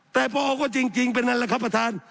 แต่ปโอ้ก็จริงจริงเป็นนั่นแหละครับประธาน